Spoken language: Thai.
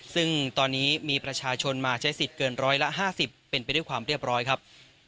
ซึ่งตอนนี้มีประชาชนมาใช้สิทธิ์เกินร้อยละ๕๐เป็นไปด้วยความเรียบร้อยครับ